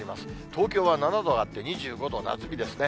東京は７度上がって２５度、夏日ですね。